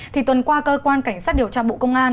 thì tuần qua cơ quan cảnh sát điều tra bộ công an